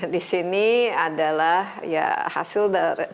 di sini adalah ya hasil dari